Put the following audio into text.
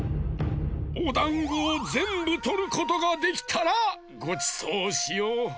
おだんごをぜんぶとることができたらごちそうしよう！